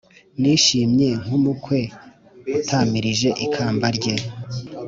nishimye nk’umukwe utamirije ikamba rye,